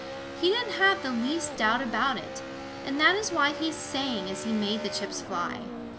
He didn't have the least doubt about it, and that is why he sang as he made the chips fly.